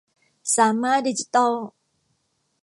สามารถ ดิจิตอล